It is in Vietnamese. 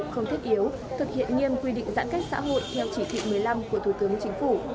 không thiết yếu thực hiện nghiêm quy định giãn cách xã hội theo chỉ thị một mươi năm của thủ tướng chính phủ